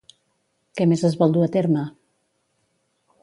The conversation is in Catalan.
Què més es vol dur a terme?